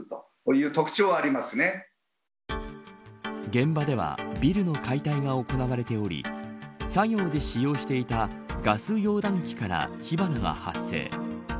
現場ではビルの解体が行われており作業で使用していたガス溶断機から火花が発生。